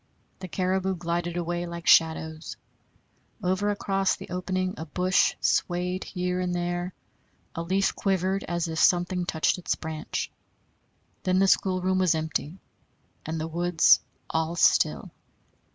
The caribou glided away like shadows. Over across the opening a bush swayed here and there; a leaf quivered as if something touched its branch. Then the schoolroom was empty and the woods all still.